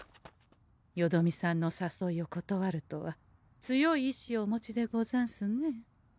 よどみさんのさそいを断るとは強い意志をお持ちでござんすね。